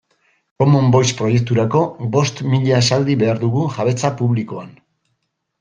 Common Voice proiekturako bost mila esaldi behar dugu jabetza publikoan